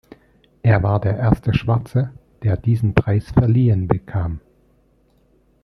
Er war der erste Schwarze, der diesen Preis verliehen bekam.